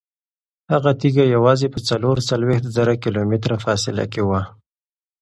هغه تیږه یوازې په څلور څلوېښت زره کیلومتره فاصله کې وه.